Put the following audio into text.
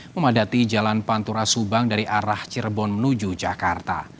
memadati jalan pantura subang dari arah cirebon menuju jakarta